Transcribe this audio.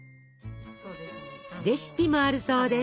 レシピもあるそうです。